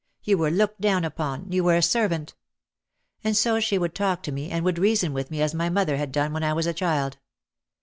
You were looked down upon, you were a servant. And so she would talk to me and would reason with me as my mother had done when I was a child.